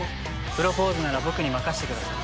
プロポーズなら僕に任せてください。